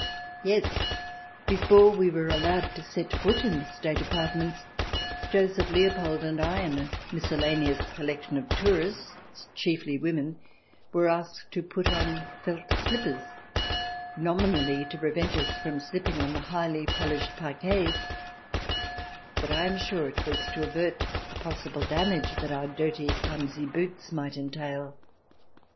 Yes, before we were allowed to set foot in the State apartments, Joseph Leopold and I and a miscellaneous collection of tourists, chiefly women"; were asked to put on felt slippers, nominally to prevent us from slipping on the highly polished parquets, but I am sure it was to avert the possible damage that our dirty, clumsy boots might entail.